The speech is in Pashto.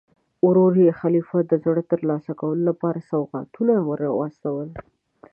ورور یې د خلیفه د زړه ترلاسه کولو لپاره سوغاتونه ور واستول.